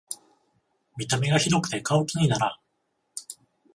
見た目がひどくて買う気にならん